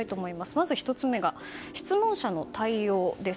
まず１つ目が質問者への対応です。